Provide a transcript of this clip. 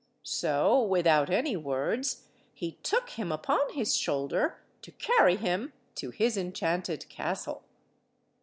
So, without any words, he took him upon his shoulder to carry him to his enchanted castle.